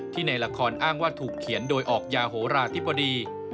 ในละครอ้างว่าถูกเขียนโดยออกยาโหราธิบดี